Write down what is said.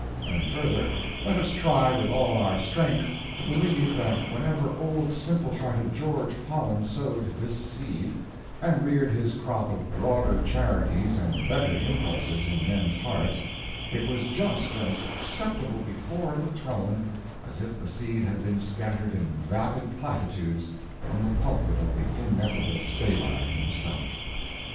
And further, let us try with all our strength to believe that whenever old simple hearted George Holland sowed this seed, and reared his crop of broader charities and better impulses in men's hearts, it was just as acceptable before the Throne as if the seed had been scattered in vapid platitudes from the pulpit of the ineffable Sabine himself.